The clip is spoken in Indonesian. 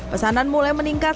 pesanan mulai meningkat